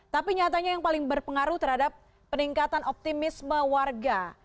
tapi nyatanya yang paling berpengaruh terhadap peningkatan optimisme warga